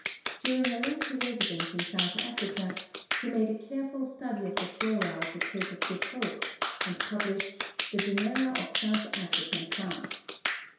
During a lengthy residence in South Africa, he made a careful study of the flora of the Cape of Good Hope and published The Genera of South African Plants.